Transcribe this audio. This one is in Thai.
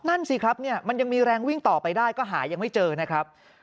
นั่นสิครับเนี่ยมันยังมีแรงวิ่งต่อไปได้ก็หายังไม่เจอนะครับ